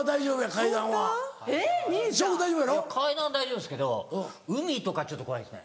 階段は大丈夫ですけど海とかちょっと怖いですね。